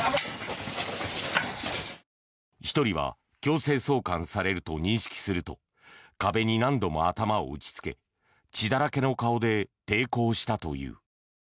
１人は強制送還されると認識すると壁に何度も頭を打ちつけ血だらけの顔で抵抗したという。